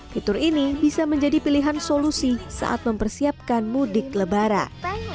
fitur ini bisa menjadi pilihan solusi saat mempersiapkan mudik lebaran